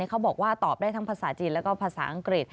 เขาบอกว่าตอบได้ทั้งภาษาจีนแล้วก็ภาษาอังกฤษ